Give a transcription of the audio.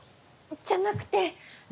じゃなくて！